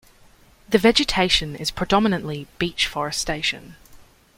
The vegetation is predominantly beech forestation.